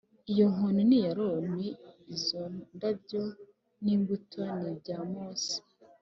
Iyo nkoni ni iya Aroni Izo ndabyo n imbuto nibya mose